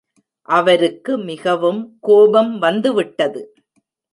அவருக்கு மிகவும் கோபம் வந்துவிட்டது.